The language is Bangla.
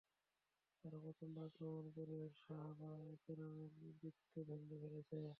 তারা প্রচণ্ড আক্রমণ করে সাহাবায়ে কেরামের বৃত্ত ভেঙ্গে ফেলেছে।